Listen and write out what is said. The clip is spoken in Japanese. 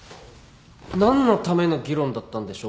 何のための議論だったんでしょう？